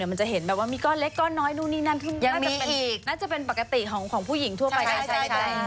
มันจะเห็นแบบว่ามีก้อนเล็กก้อนน้อยนู่นนี่นั่นจะเป็นปกติของผู้หญิงทั่วไปน่าจะใช่